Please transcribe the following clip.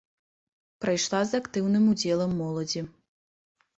Прайшла з актыўным удзелам моладзі.